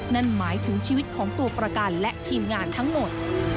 นั่นหมายถึงชีวิตของตัวประกันและทีมงานทั้งหมด